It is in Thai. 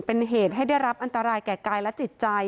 เป็นเหตุให้ได้รับอันตรายแก่กายและจิตใจ